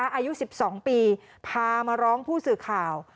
อายุ๑๒ปีพามาร้องผู้สื่อข่าว